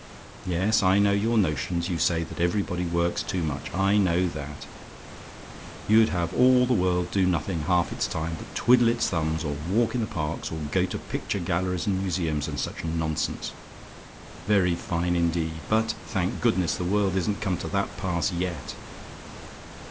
Yes, I know your notions; you say that everybody works too much: I know that. You'd have all the world do nothing half its time but twiddle its thumbs, or walk in the parks, or go to picture galleries, and museums, and such nonsense. Very fine, indeed; but, thank goodness! the world isn't come to that pass yet.